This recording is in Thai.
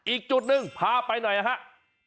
อีกจุดหนึ่งพาไปหน่อยนะครับ